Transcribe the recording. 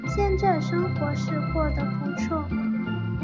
现在生活是过得不错